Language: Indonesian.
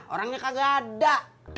orangnya kagak ada